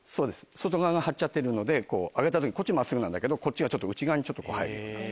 外側が張っちゃってるので上げた時にこっち真っすぐなんだけどこっちが内側にちょっと入る。